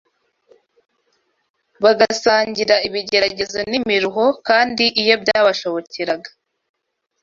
bagasangira ibigeragezo n’imiruho, kandi iyo byabashobokeraga